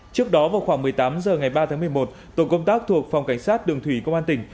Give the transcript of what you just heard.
trước đó vào khoảng một mươi tám h ngày ba tháng một mươi một tổ công tác thuộc phòng cảnh sát đường thủy công an tỉnh